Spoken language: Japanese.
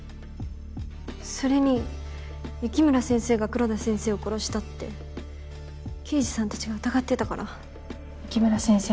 それに雪村先生が黒田先生を殺したって刑事さんたちが疑ってたから。